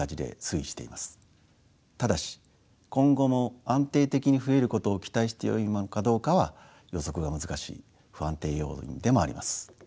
ただし今後も安定的に増えることを期待してよいものかどうかは予測が難しい不安定要因でもあります。